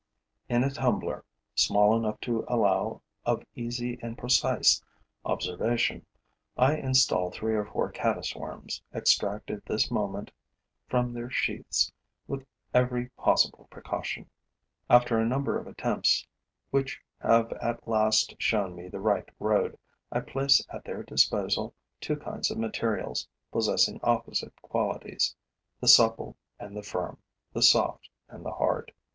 In a tumbler small enough to allow of easy and precise observation, I install three or four caddis worms, extracted this moment from their sheaths with every possible precaution. After a number of attempts which have at last shown me the right road, I place at their disposal two kinds of materials, possessing opposite qualities; the supple and the firm, the soft and the hard.